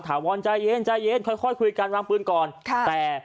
วอนใจเย็นใจเย็นค่อยคุยกันวางปืนก่อนค่ะแต่